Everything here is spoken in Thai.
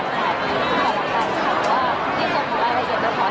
เพราะว่าลูกค้าเรียนรู้กันมาก่อน